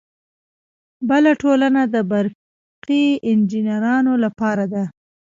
بله ټولنه د برقي انجینرانو لپاره ده.